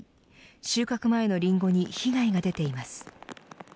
収穫前のリンゴに被害が出ています。